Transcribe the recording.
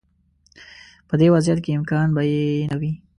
په دې وضعیت کې امکان به یې نه وي.